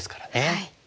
はい。